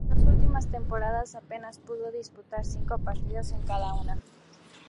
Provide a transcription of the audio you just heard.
En sus dos últimas temporadas apenas pudo disputar cinco partidos en cada una.